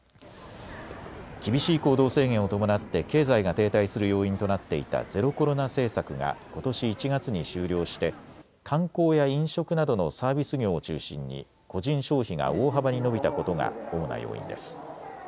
厳しい行動制限を伴って経済が停滞する要因となっていたゼロコロナ政策がことし１月に終了して観光や飲食などのサービス業を中心に個人消費が大幅に伸びたことが主な要因です。